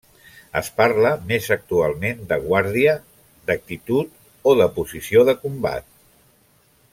Es parla més actualment de guàrdia, d'actitud o de posició de combat.